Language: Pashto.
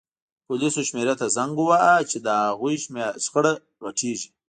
پولیسو شمېرې ته زنګ ووهه چې د هغوی شخړه غټیږي